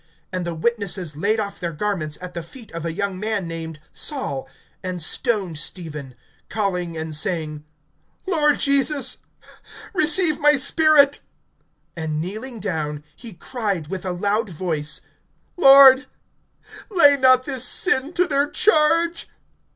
And the witnesses laid off their garments at the feet of a young man named Saul, (59)and stoned Stephen, calling and saying: Lord Jesus, receive my spirit. (60)And kneeling down, he cried with a loud voice: Lord, lay not this sin to their charge.